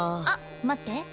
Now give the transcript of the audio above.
あっ待って。